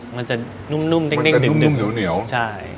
มันจะนุ่มเน็กนะครับใช่